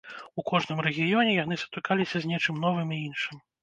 У кожным рэгіёне яны сутыкаліся з нечым новым і іншым.